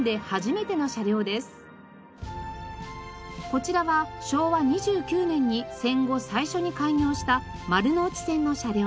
こちらは昭和２９年に戦後最初に開業した丸ノ内線の車両。